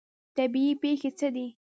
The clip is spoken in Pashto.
طبیعي پیښې څه دي؟